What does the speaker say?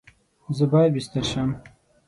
زه باید بیستر سم؟